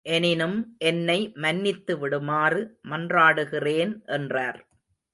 எனினும், என்னை மன்னித்து விடுமாறு மன்றாடுகிறேன் என்றார்.